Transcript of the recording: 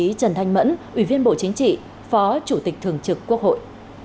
đồng chí trần thanh mẫn ủy viên bộ chính trị phó chủ tịch thường trực quốc hội